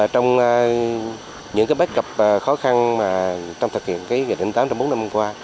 trong những bất cập khó khăn trong thực hiện nghị định tám trong bốn năm qua